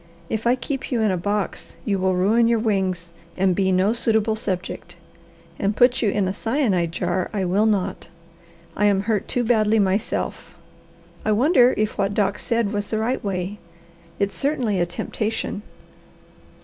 "If I keep you in a box you will ruin your wings and be no suitable subject, and put you in a cyanide jar I will not. I am hurt too badly myself. I wonder if what Doc said was the right way! It's certainly a temptation."